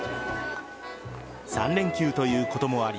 ３連休ということもあり